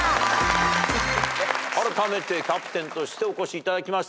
あらためてキャプテンとしてお越しいただきました